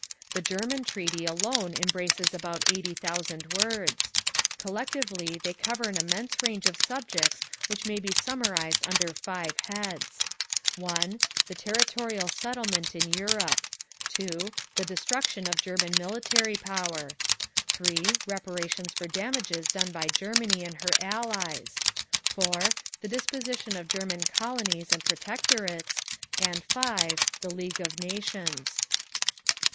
The German treaty alone embraces about 80,000 words. Collectively they cover an immense range of subjects which may be summarized under five heads: (1) The territorial settlement in Europe; (2) the destruction of German military power; (3) reparations for damages done by Germany and her allies; (4) the disposition of German colonies and protectorates; and (5) the League of Nations.